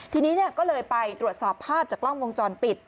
ทีนี้ก็เลยไปตรวจสอบภาพจากกล้องวงจรปิด